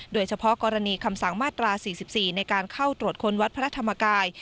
โดยเฉพาะกรณีคำสั่งมาตรา๔๔ในการเข้าตรวจค้นวัดพระธรรมกาย